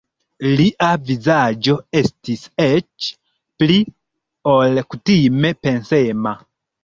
Lia vizaĝo estis eĉ pli ol kutime pensema.